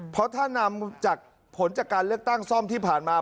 เพราะถ้านำจากผลจากการเลือกตั้งซ่อมที่ผ่านมา